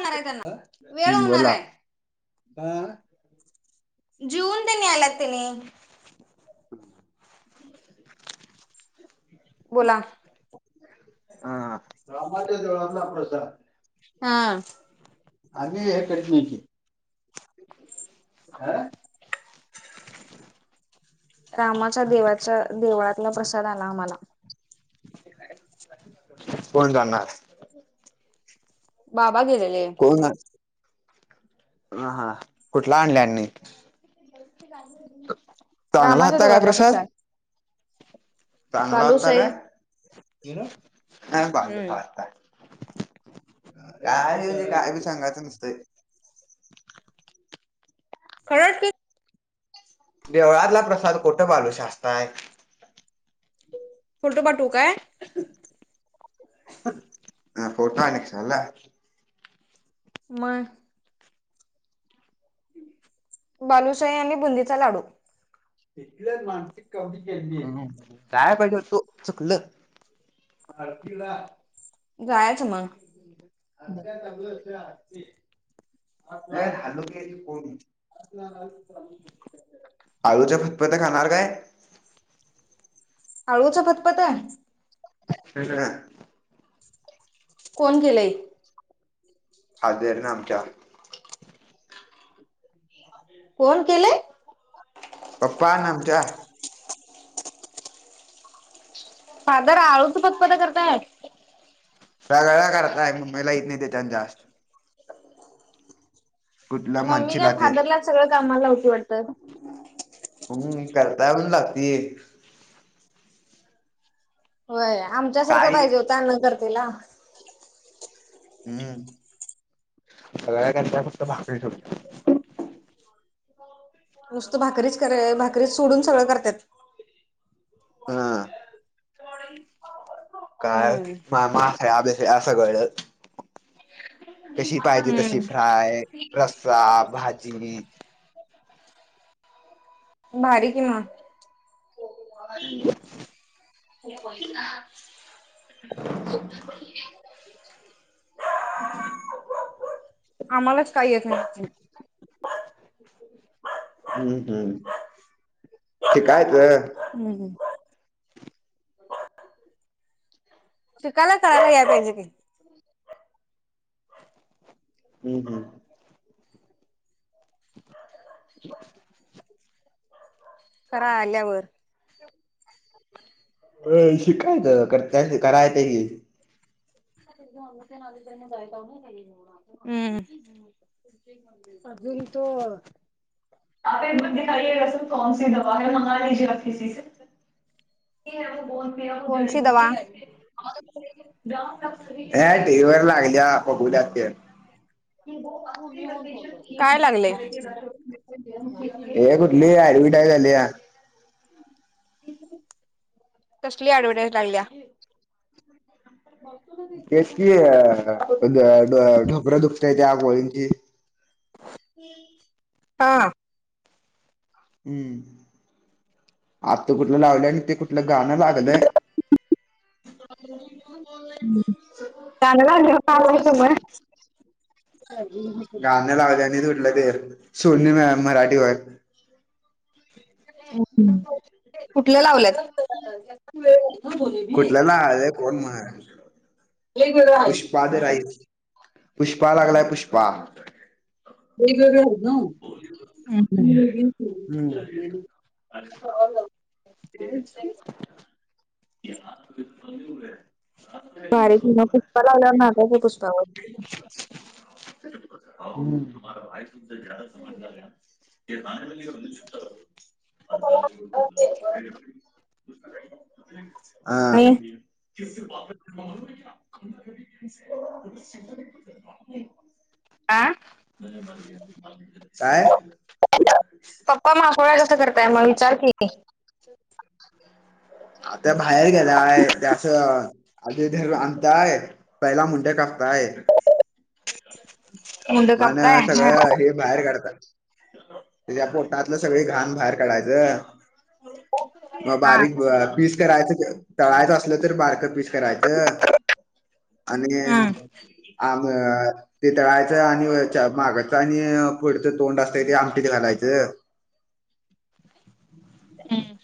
वेळ होणार हाय त्यांना, वेळ हम्म होणार बोला. हाय हं अ नं जिवून तने आल्यात त्यानी [inaudible] बोला हा. रामाच्या जळातला प्रसाद आम्ही हे करीत नाही क हा. रामाच्या देवाच्या देवळातला प्रसाद आला आम्हाला कोण जाणार? बाबा गेलेले. हो ना. ह हा कुठला आणल्यानी. चांगला रामाच्या हाता काय देवळातला प्रसाद चांगला होता बालूशाही काय हम्म [unintelligible] काय म्हणजे काय बी, सांगायचं नसतंय. खरात क देवळातला प्रसाद कोठं बालूश असतय फोटो पाठवू काय हा [unintelligible] आणिक झाला मग बालुशई आणि बुंदीचा लाडू क के [unintelligible] [inaudible] हम् काय पाहिजे होतू चुकलं आरतीला जायच मग [unintelligible] आरती अ हलक करून आळूच्या फतपत्या खाणार काय आळूच फतपत आहे हम ह कोण गेलेय हजरन आमच्या फोन केलेय पप्पा आन आमच्या फादर आळूच पत पता करताय [unintelligible] मुंबईला येत नाही त्या त्यां जास्त कुठलं मम्मी काय म्हणशीला ते फादरलाच सगळं कामाला हो वाटतं म्हणून मी करताय [unintelligible] लागती होय आमच्यासारखं काय पाहिजे होतं अन्न करतेला हम्म त्या फक्त भाकरी ठत नुसतं भाकरीच करय, भाकरीच सोडून सगळं करताय त. हा काय हम्म मा मासे आभेस आहे असं कळत कशी पाहिजे तशी फ्राय रस्सा भाजी मारी कि म [unintelligible] आम्हालाच काही येत [unintelligible] हम्म हम्म शिकायच हम् हम शिकायला सगळ्याला याया पाहिजे की हम् हम् [inaudible] करा आल्यावर शिकायचं कर्त्या करायचं की [unintelligible] हम अजून तो आप एक दिखाये ग सर कोण सी दवाै मंगा लिजे आप किी बोन पिरा वो जडी कोणसी बुटी दवा है जिससे [unintelligible] टीव्ही वर लाग बोला काय लागले हे कुठली ॲडव्हर्टायज आलिया कसली ऍडव्हटाईज लाढली तेच की अ ढो ढोबरं दुखत त्या गोळींची हा हम्म आत्ता कुठलं लावलं आणि ते कुठलं गाणं लाग अबे [unintelligible] गाणं लावल्यावर [inaudible] [unintelligible] गाणं लावल्या आणि त उुठलं ते सोननी म मराठीवर कुठल लावलेत ह कुठल् नाव आहे [unintelligible] कोण [unintelligible] पुष्पा द राईस पुष्पा लागलाय पुष्पा. [unintelligible] आहे ना [inaudible] हम्म [unintelligible] [unintelligible] [unintelligible] बारीेकीनपुस्प लावयला ना जातंय त्या पुस््पावर [unintelligible] [unintelligible] आणि आं स [inaudible] हम् आ काय का जास्त करताय मग विचार की [inaudible] [unintelligible] आत्या बाहेर गेलाय त्या असं धरू आणताय पहिला मुंडे कापताय मुंड कापताय [unintelligible] हा. सगळं हे बाहेर काढतात त्याच्या पोटातलं सगळी घाण बाहेर काढायचं मग हा बारीक पीस करायचं तळायचं असलं तर बारक पीस करायचं आणि हम्म आम ते तळाय आणि मागाचं आणि पुढचं तोंड असत ते आमटत घालायचं हम्म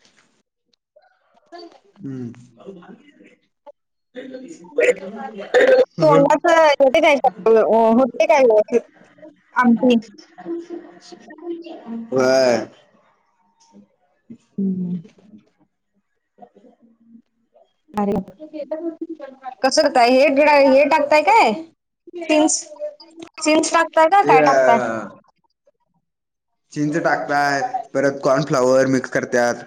हम्म तू अंगाच [unintelligible] होते [unintelligible] आमटी ह [unintelligible] [inaudible] [unintelligible] हम्म अ कसरतय हेट गिड हेटागतय काय [unintelligible] [inaudible] [unintelligible] तिस पा हे अ चींचे टाकत आहेत परत कॉर्न फ्लावर मिक्स करतात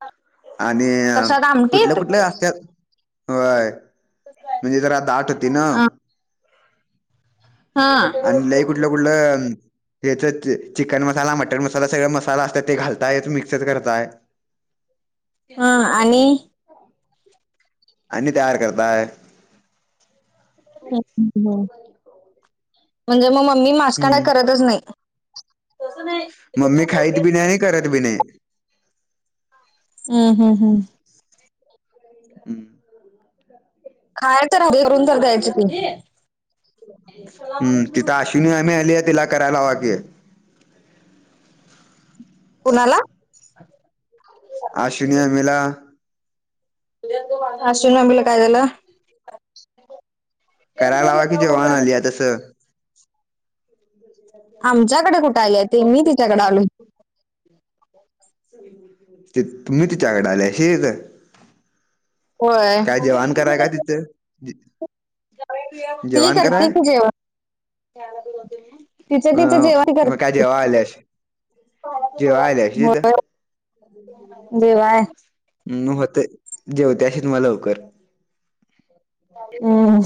हा. आणि कुठल्या कुठल्या असत्या होय. म्हणजे जरा दाट होती ना. अ हा. आणि लई कुठलं कुठलं त्याच चिकन मसाला मटन मसाला सगळ मसाला असतात ते घालताय मिक्सच करताय. हा आणि आणि तयार करताय? म्हणजे मग मम्मी मास्कांना हम्म करतच नाही. मम्मी खाईत बी नाही आणि करत बी नाही. हम हम हम्. हम्म. खाय तर हवे करून तर द्यायची ती हम्म तिथश तुम्ही आम्ही आले तिला करायला वागे. कुणाला? अश्विनीया मेला ला काय झा्याला करा लावा की जेवण आली आहे तसं. [unintelligible] आमच्याकडे कुठे आले आहे ते मी तिच्याकडे आलो हो. ते तुम्ही तच्याकड आले शेच होय काय जवान कराय का तिथं. ती जेवण करते कराय की जेवण तिच अ तिच जेव कर. मग काय जेव्हा आल्यास जेव्हा आल्याशी हो देवाय. होत जेवते अशी तुम्हाला लवकर. हम्.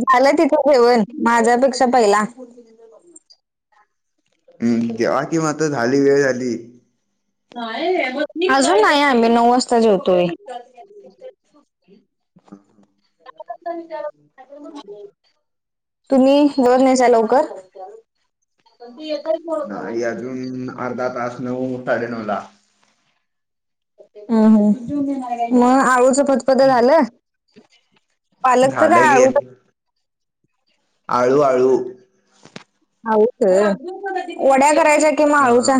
झालं तिथे ठेवण माझ्यापेक्षा पहिला हम् तेवा कि मात झाली वेळ झाली. अजून नाही आम्ही नऊ वाजता जेवतोय. हम हम. का [inaudible] तुम्ही दर नयचा लवकर. नाही अजून अर्धा तास नऊ साडेनऊ ला हम हम मग आ स स्प झालं पालक तर झालं की आळू आळू. आच वड्या करायच्या कि अ माळूच्या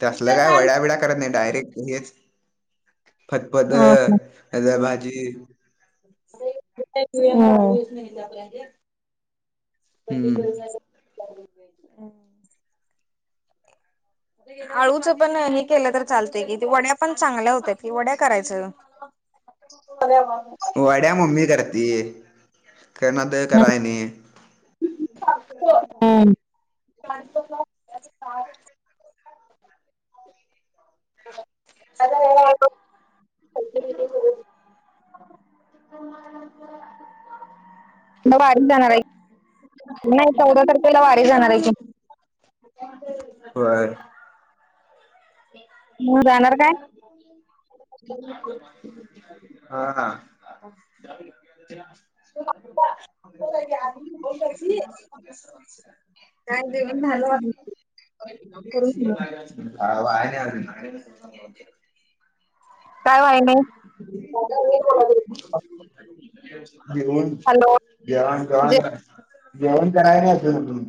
ते असलं काय वड्या वड्या करत नाही डायरेक्ट हेच फतपत हे धर भाजी हम्म [unintelligible] हम्. आळूच पण हे केलं तर चालते की वड्या पण चांगल्या होत्या की वड्या करायच. [unintelligible] वाड्या मम्मी कररा ती करणार तर करा नाही. हम. [unintelligible] ह. [unintelligible] वारी जाणार आहे नाही चौदा तारखेला वारी जाणार आहे की होय म जाणार काय ह हा, हा ह हो काय ग बोल कर ती [unintelligible] काय देऊन झालं आ व्हाया नाय अजून काय वाय नाही घेऊन हॅलो जे जेवाण जेवण कराय नाय अजून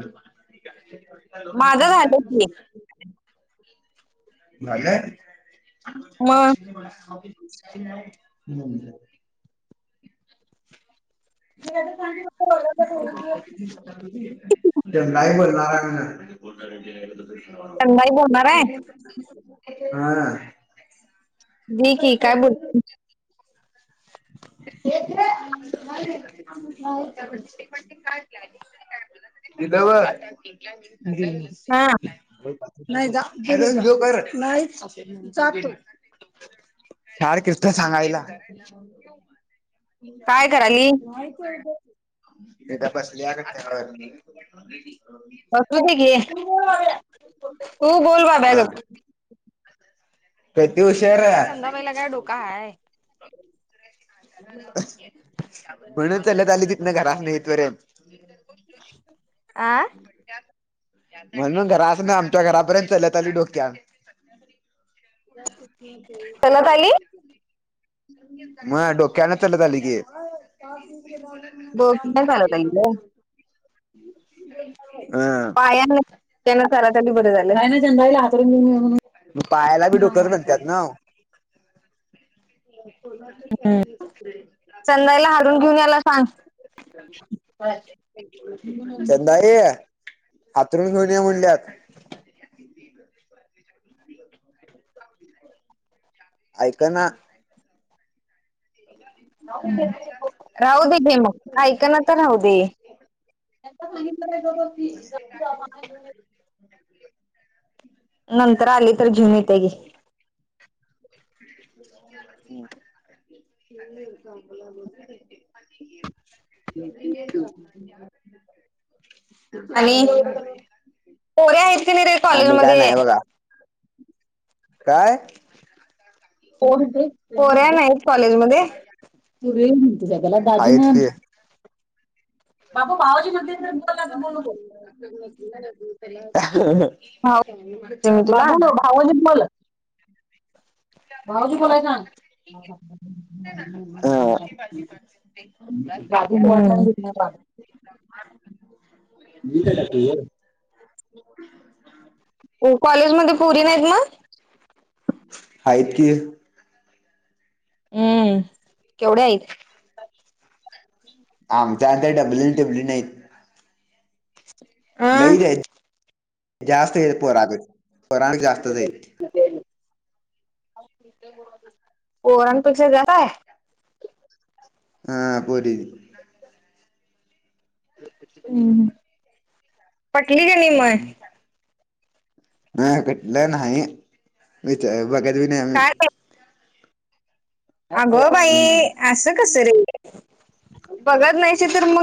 ह माझं झालं की मग झाय हे ते काय बोलणार हाय संध्याकाळी बोलणार आहे म्हण हा दे की काय बोलत [unintelligible] ण पण ते का दिलं हा बघ नाही जा नाहीच जा तू चार कसत सांगायला काय कराली दा बसली का खेळायली बसूध ग तू बोलोलवा बगप प्रत उशरा पहिला काय डोका आहे म्हणून चालत आले तिथन घरात इथं पर्यंत आ म्हणून घरासन आमच्या घरापर्यंत चालत आली डोक्याव चालत आली [unintelligible] मग डोक्यान चाल ली की दोघ स्ल तल हम पायान त्यानं करत आली बर झालं नाई, नाई जनरेला म म्ह पायाला बी डुकर म्हणत्यात सांगर ना हम्म चंदायला हालून घेऊन याला सांग चंदाआई हातरूण घेऊन ये म्हणल्यात ऐक ना [unintelligible] राहू दे घे मग ऐक ना तर राहू दे एकदा सांगितलं की गप बस्ती नंतर आली तर घेऊन येत्या घे हम् न आपला आणि का पोरे आहेत की नाही रे आम्ही काय कॉलेजमध्ये नाही बघा काय? कोण ते पोऱ्या नाहीत कॉलेज मध्ये पोर्या म्हणतेस दादाला दाजी आहेत म्हण की [unintelligible] हं हं [unintelligible] आवाज येत नाय गं भावोजी बोलायला सांग बाबा [unintelligible] मी तरी [unintelligible] व्हय. [unintelligible] हो कॉलेजमध्ये पोरी नाहीत म हाईत की, हम्म केवढ्या हाईत? आमच्या हाईत त्या डब्ल्यलीन डिब्लीन हाईत. अं लईचं हाईत जास्त येत पोरा पेक्षा पोरा नं जास्तच येत. पोरानं पेक्षा जादा हाय. हा पोरी हम्म पटली की नी मग नाय पटल्या नाही विच बघत बी नाय आम्ही अगो बाई हम्म असं कस रे बघत नाहीचं ये तर म